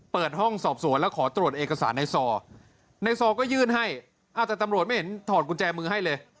เปิดห้องสอบสวนแล้วขอตรวจเอกสารในซอในซอก็ยื่นให้อ้าวแต่ตำรวจไม่เห็นถอดกุญแจมือให้เลย